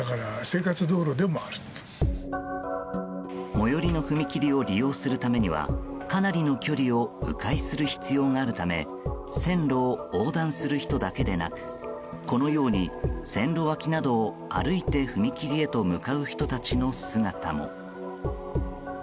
最寄りの踏切を利用するためにはかなりの距離を迂回する必要があるため線路を横断する人だけでなくこのように線路脇などを歩いて踏切へと向かう人たちの姿も。